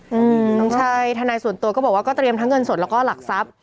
อืมต้องใช่ทนายส่วนตัวก็บอกว่าก็เตรียมทั้งเงินสดแล้วก็หลักทรัพย์